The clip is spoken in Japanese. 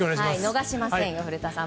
逃しませんよ古田さん。